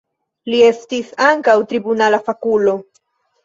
Li estis ankaŭ tribunala fakulo.